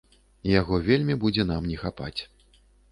Яго вельмі будзе нам не хапаць.